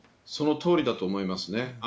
そのとおりだと思いますね。